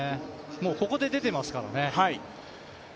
もうここで出てますからね。